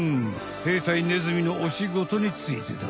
兵隊ネズミのおしごとについてだ。